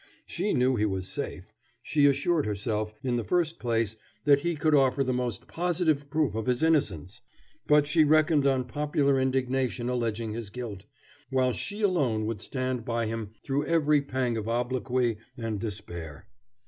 She knew he was safe she assured herself, in the first place, that he could offer the most positive proof of his innocence but she reckoned on popular indignation alleging his guilt, while she alone would stand by him through every pang of obloquy and despair.